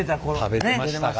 食べてましたから。